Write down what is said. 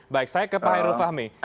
baik saya ke pak hairul fahmi